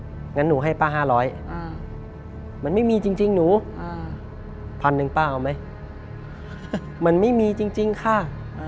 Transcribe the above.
งั้นหนูให้ป้า๕๐๐มันไม่มีจริงหนูพันหนึ่งป้าเอาไหมมันไม่มีจริงค่ะ